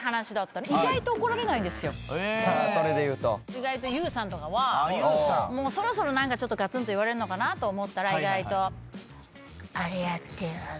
意外とＹＯＵさんとかはそろそろ何かちょっとがつんと言われるのかなと思ったら意外と。